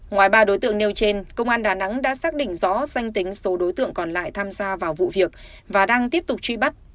ngoài ba đối tượng nêu trên công an đà nẵng đã xác định rõ danh tính số đối tượng còn lại tham gia vào vụ việc và đang tiếp tục truy bắt